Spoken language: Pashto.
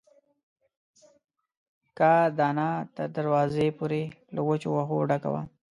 کاه دانه تر دروازې پورې له وچو وښو ډکه وه.